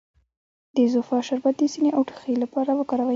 د زوفا شربت د سینې او ټوخي لپاره وکاروئ